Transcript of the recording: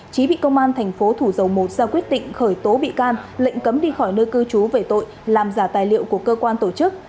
trí bị công an thành phố thủ dầu một ra quyết định khởi tố bị can lệnh cấm đi khỏi nơi cư trú về tội làm giả tài liệu của cơ quan tổ chức